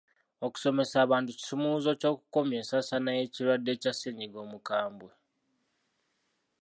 Okusomesa abantu kisumuluzo ky'okukomya ensaasaana y'ekirwadde kya ssennyiga omukambwe.